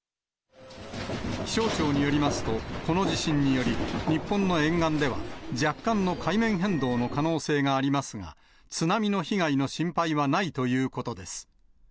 気象庁によりますと、この地震により、日本の沿岸では、若干の海面変動の可能性がありますが、津波の被害の心配はないということです。